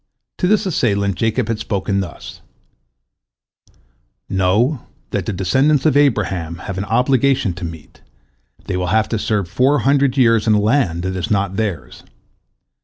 To this assailant Jacob had spoken thus: "Know that the descendants of Abraham have an obligation to meet, they will have to serve four hundred years in a land that is not theirs.